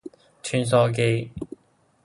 穿梭機